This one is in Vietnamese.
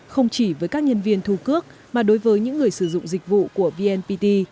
không chỉ với các nhân viên thu cước mà đối với những người sử dụng dịch vụ của vnpt